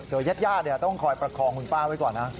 เจ้าเย็ดย่าต้องคอยประคองคุณป้าไว้ก่อนนะ